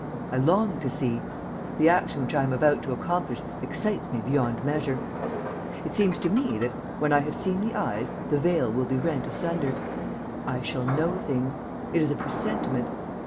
I long to see. The action which I am about to accomplish excites me beyond measure. It seems to me that, when I have seen the eyes, the veil will be rent asunder. I shall know things. It is a presentiment.